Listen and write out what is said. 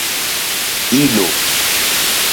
ilo